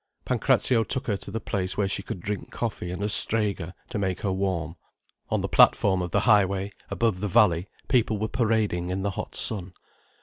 Pancrazio took her to the place where she could drink coffee and a strega, to make her warm. On the platform of the high way, above the valley, people were parading in the hot sun.